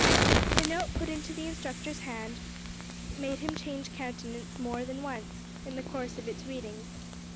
The note put into the instructor's hand, made him change countenance more than once in the course of its reading.